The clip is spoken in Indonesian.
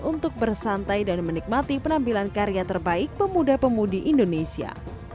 untuk bersantai dan menikmati penampilan karya terbaik pemuda pemudi indonesia